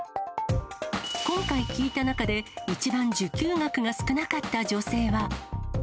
今回聞いた中で、一番受給額が少なかった女性は。